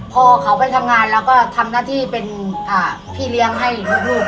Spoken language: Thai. พอเขาไปทำงานเราก็ทำหน้าที่เป็นพี่เลี้ยงให้ลูก